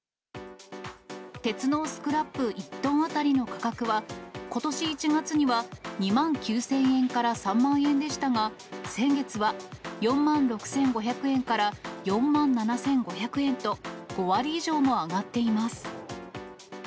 鉄のスクラップ１トン当たりの価格は、ことし１月には２万９０００円から３万円でしたが、先月は４万６５００円から、４万７５００円と、５割以上も上がっています。